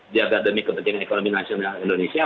jaga demi kepentingan ekonomi nasional indonesia